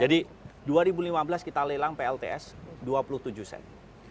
jadi dua ribu lima belas kita lelang plts dua puluh tujuh set